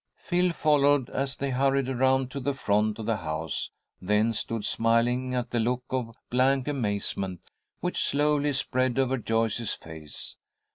Phil followed as they hurried around to the front of the house, then stood smiling at the look of blank amazement which slowly spread over Joyce's face.